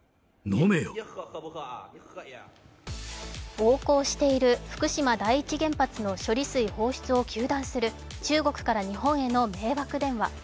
横行している福島第一原発の処理水放出を糾弾する中国から日本への迷惑電話。